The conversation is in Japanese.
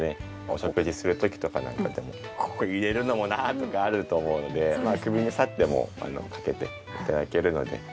お食事する時とかなんかでもここ入れるのもなとかあると思うので首にサッてかけて頂けるので。